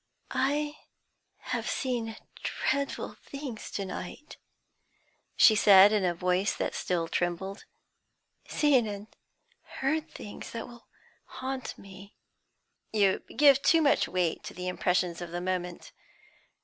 "I have seen dreadful things to night," she said, in a voice that still trembled; "seen and heard things that will haunt me." "You give too much weight to the impressions of the moment.